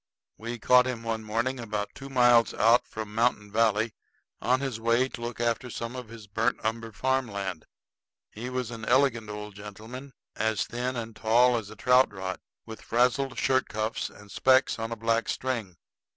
We caught him one morning about two miles out from Mountain Valley, on his way to look after some of his burnt umber farm land. He was an elegant old gentleman, as thin and tall as a trout rod, with frazzled shirt cuffs and specs on a black string.